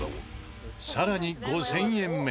さらに５０００円目。